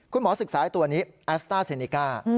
คุณหมอศึกษาให้ตัวนี้แอสต้าเซนิกา